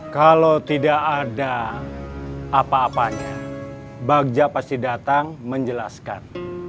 kalau tidak ada apa apanya bagja pasti datang menjelaskan